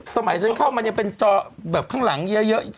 สมัยฉันเข้ามันยังเป็นจอแบบข้างหลังเยอะอีก